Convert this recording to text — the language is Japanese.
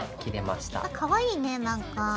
かわいいねなんか。